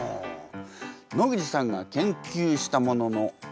野口さんが研究したものの一覧ですね。